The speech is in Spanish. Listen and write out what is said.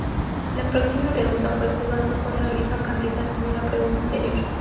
La próxima pregunta fue jugando por la misma cantidad como la pregunta anterior.